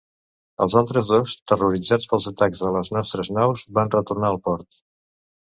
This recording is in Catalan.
Els altres dos, terroritzats pels atacs de les nostres naus, van retornar al port.